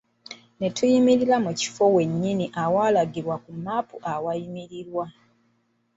Ne tuyimirira mu kifo wennyini awaalagibwa ku map awayimirirwa.